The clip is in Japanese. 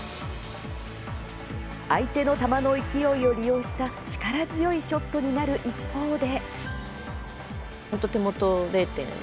相手の球の勢いを利用した力強いショットになる一方で。